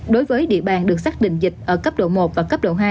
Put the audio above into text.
đối với địa bàn được xác định dịch ở cấp độ một và cấp độ hai